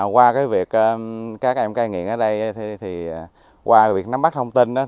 qua việc các em cai nghiện ở đây thì qua việc nắm bắt thông tin